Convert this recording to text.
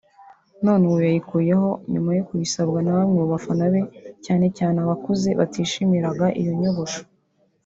none ubu yayikuyeho nyuma yo kubisabwa na bamwe mu bafana be cyane cyane abakuze batishimiraga iyo nyogosho